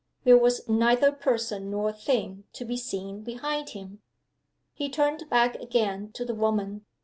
There was neither person nor thing to be seen behind him. He turned back again to the woman.